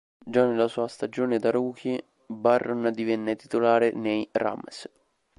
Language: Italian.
Già nella sua stagione da rookie, Barron divenne titolare nei Rams.